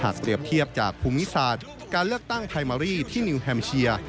เปรียบเทียบจากภูมิศาสตร์การเลือกตั้งไพมารีที่นิวแฮมเชีย